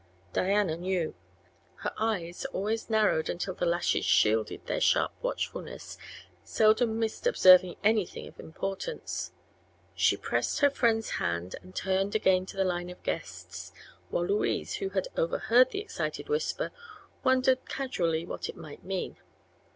Diana knew. Her eyes, always narrowed until the lashes shielded their sharp watchfulness, seldom missed observing anything of importance. She pressed her friend's hand and turned again to the line of guests, while Louise, who had overheard the excited whisper, wondered casually what it might mean.